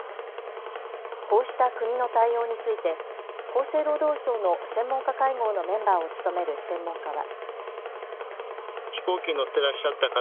こうした国の対応について厚生労働省の専門家会合のメンバーを務める専門家は。